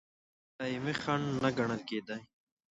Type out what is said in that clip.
دایمي خنډ نه ګڼل کېدی.